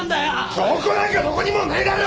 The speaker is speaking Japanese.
証拠なんかどこにもねえだろ！